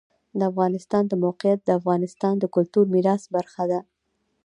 د افغانستان د موقعیت د افغانستان د کلتوري میراث برخه ده.